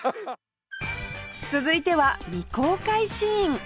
続いては未公開シーン